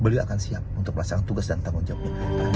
beliau akan siap untuk melaksanakan tugas dan tanggung jawabnya